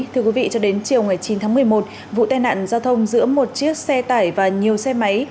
thưa quý vị cho đến chiều ngày chín tháng một mươi một vụ tai nạn giao thông giữa một chiếc xe tải và nhiều xe máy